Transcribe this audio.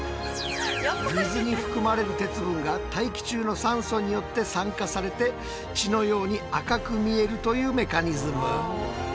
水に含まれる鉄分が大気中の酸素によって酸化されて血のように赤く見えるというメカニズム。